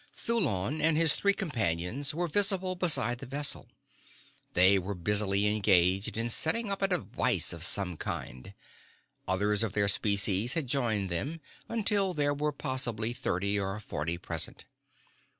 Thulon and his three companions were visible beside the vessel. They were busily engaged in setting up a device of some kind. Others of their species had joined them until there were possibly thirty or forty present.